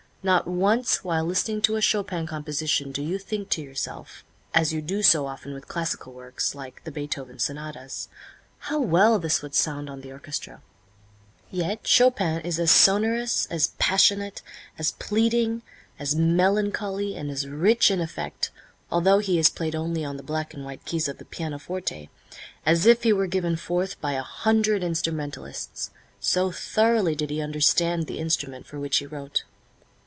Not once while listening to a Chopin composition do you think to yourself, as you do so often with classical works, like the Beethoven sonatas, "How well this would sound on the orchestra!" Yet Chopin is as sonorous, as passionate, as pleading, as melancholy and as rich in effect, although he is played only on the black and white keys of the pianoforte, as if he were given forth by a hundred instrumentalists, so thoroughly did he understand the instrument for which he wrote.